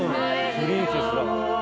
プリンセスだ。